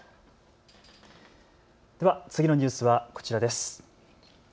では次のニュースはこちらです。